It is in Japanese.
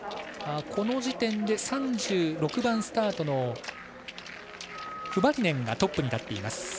この時点で３６番スタートのフバリネンがトップに立っています。